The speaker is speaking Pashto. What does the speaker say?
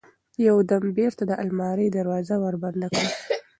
يو دم بېرته د المارى دروازه وربنده کړم.